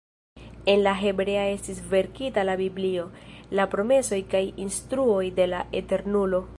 En la hebrea estis verkita la biblio, la promesoj kaj instruoj de la Eternulo.